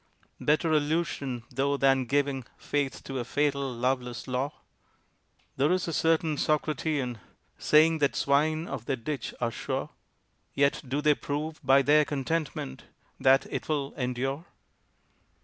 "Better illusion tho than giving Faith to a fatal loveless Law?" There is a certain Socratean Saying that swine of their ditch are sure; Yet do they prove by their contentment That it will endure?